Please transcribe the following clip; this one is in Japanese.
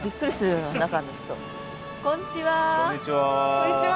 こんちは。